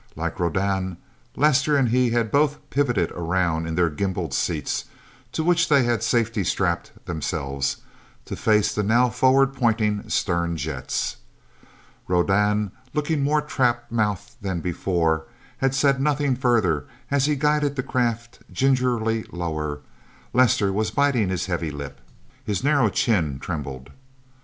Like Rodan, Lester and he had both pivoted around in their gimbaled seats to which they had safety strapped themselves to face the now forward pointing stern jets. Rodan, looking more trap mouthed than before, had said nothing further as he guided the craft gingerly lower. Lester was biting his heavy lip. His narrow chin trembled.